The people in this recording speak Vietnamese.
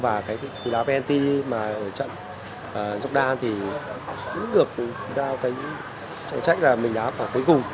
và cái cú đá penalty mà ở trận giọt đa thì cũng được giao tới trận trách là mình đá vào cuối cùng